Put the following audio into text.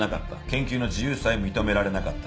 研究の自由さえ認められなかった。